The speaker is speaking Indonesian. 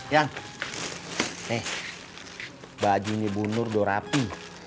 yang eh bajunya bu nur udah rapi